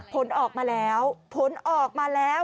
ผลออกมาแล้วผลออกมาแล้ว